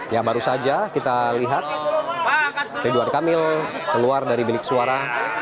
ya baru saja kita lihat ridwan kamil keluar dari bilik suara